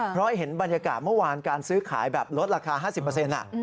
เพราะเห็นบรรยากาศเมื่อวานการซื้อขายแบบลดราคา๕๐